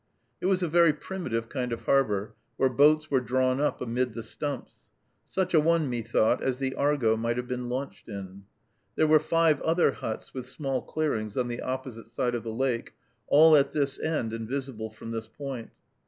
It was a very primitive kind of harbor, where boats were drawn up amid the stumps, such a one, methought, as the Argo might have been launched in. There were five other huts with small clearings on the opposite side of the lake, all at this end and visible from this point.